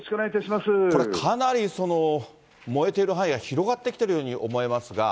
これ、かなり燃えてる範囲が広がってきているように思えますが。